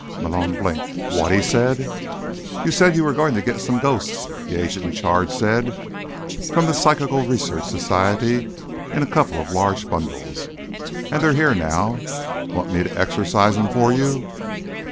Malone blinked. "What?" he said. "You said you were going to get some ghosts," the agent in charge said. "From the Psychical Research Society, in a couple of large bundles. And they're here now. Want me to exorcise 'em for you?"